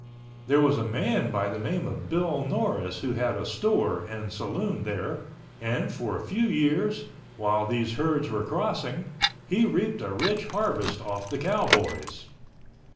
There was a man by the name of Bill Norris who had a store and saloon there, and for a few years, while these herds were crossing, he reaped a rich harvest off the cowboys.